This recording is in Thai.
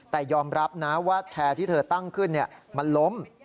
แต่ยอมรับนะว่าแชร์ที่เธอตั้งขึ้นมันล้ม